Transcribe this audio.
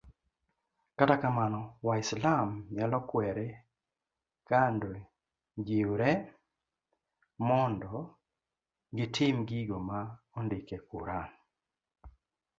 kata kamano, waislam nyalo kuerre kando jiwre mondo gitim gigo ma ondik e Quran